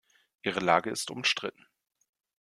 Ihre Lage ist umstritten.